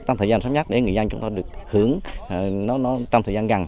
trong thời gian sớm nhất để người dân chúng ta được hưởng nó trong thời gian gần